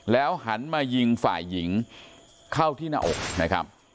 หันมายิงฝ่ายหญิงเข้าที่หน้าอกนะครับ